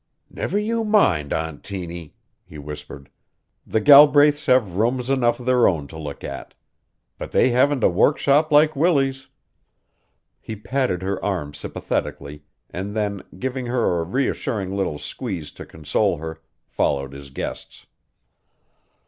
"Never you mind, Aunt Tiny," he whispered. "The Galbraiths have rooms enough of their own to look at; but they haven't a workshop like Willie's." He patted her arm sympathetically and then, giving her a reassuring little squeeze to console her, followed his guests.